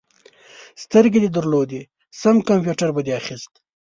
سترګې دې درلودې؛ سم کمپيوټر به دې اخيست.